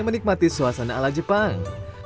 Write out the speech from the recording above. menikmati suasana ala jepang